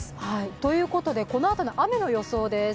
ということで、このあとの雨の予想です。